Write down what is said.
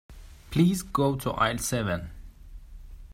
Please go to aisle seven.